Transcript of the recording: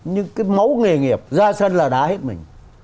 nhưng cái mẫu nghề nghiệp ra sân là đá hết mình